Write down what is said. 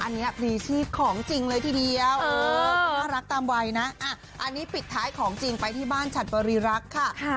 อันนี้พลีชีพของจริงเลยทีเดียวคุณน่ารักตามวัยนะอันนี้ปิดท้ายของจริงไปที่บ้านฉัดบริรักษ์ค่ะ